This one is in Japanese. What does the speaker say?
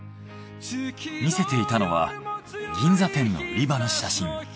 見せていたのは銀座店の売り場の写真。